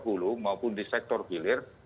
hulu maupun di sektor hilir